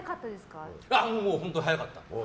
本当に早かった。